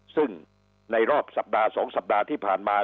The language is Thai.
ซึ่งในรอบสัปดาห์๒สัปดาห์ที่ผ่านมา